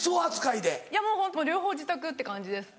いやもう両方自宅って感じです。